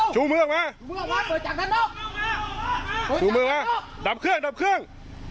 ชู้มือออกไว้ดับเครื่อง